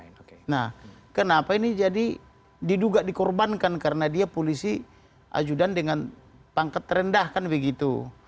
nah kenapa ini jadi diduga dikorbankan karena dia polisi ajudan dengan pangkat rendah kan begitu